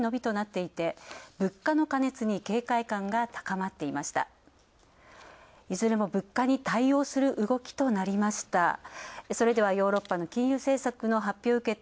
いずれも物価に対応する動きとなりました。